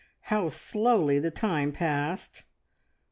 How slowly the time passed!